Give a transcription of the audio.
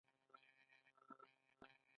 بې سوادي د پرمختګ مخه نیسي.